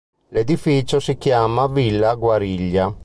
L'edificio si chiama "Villa Guariglia".